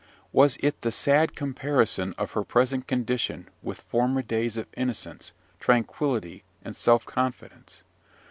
Was it the sad comparison of her present condition with former days of innocence, tranquillity, and self confidence?